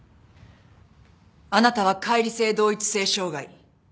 あなたは解離性同一性障害。